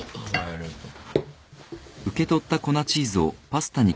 ありがとう。